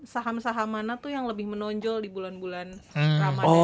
saham saham mana tuh yang lebih menonjol di bulan bulan ramadhan